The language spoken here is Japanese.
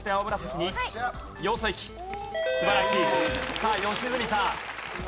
さあ良純さん。